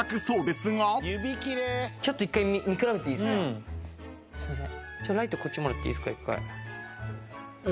すいません。